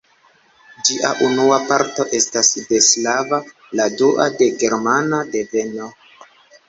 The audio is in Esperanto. Ĝia unua parto estas de slava, la dua de germana deveno.